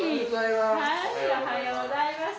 おはようございます。